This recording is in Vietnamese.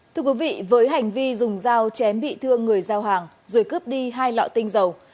thưa quý vị với hành vi dùng dao chém bị thương người giao hàng rồi cướp đi hai lọ tinh dầu